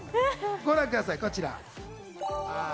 ご覧ください、こちら。